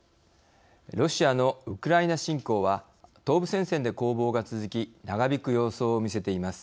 ロシアのウクライナ侵攻は東部戦線で攻防が続き長引く様相を見せています。